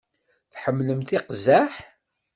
Tḥemmlemt iqzaḥ?